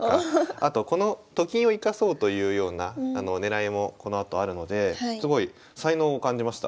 あとこのと金を生かそうというような狙いもこのあとあるのですごい才能を感じました。